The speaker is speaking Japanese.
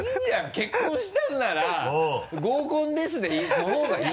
結婚したんなら「合コンです」の方がいい。